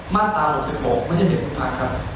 มาตรา๓๖ไม่ใช่เดือนกู้พักครับ